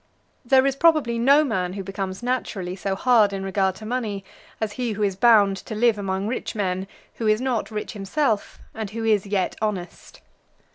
There is, probably, no man who becomes naturally so hard in regard to money as he who is bound to live among rich men, who is not rich himself, and who is yet honest.